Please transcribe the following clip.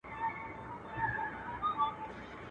o چي مور ميره سي، پلار پلندر سي.